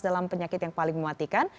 dalam penyakit yang paling mematikan